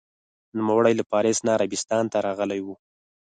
نوموړی له پارس نه عربستان ته راغلی و.